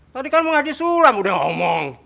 tadi kan mau ngaji sulam udah ngomong